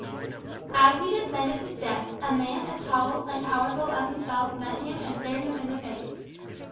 As he descended the steps, a man as tall and powerful as himself met him and stared him in the face.